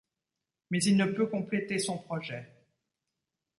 Mais, il ne peut compléter son projet.